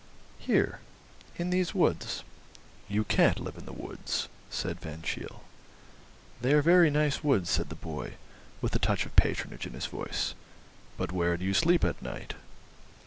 "Here, in these woods." "You can't live in the woods," said Van Cheele. "They are very nice woods," said the boy, with a touch of patronage in his voice. "But where do you sleep at night?"